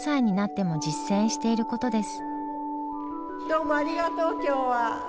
どうもありがとう今日は。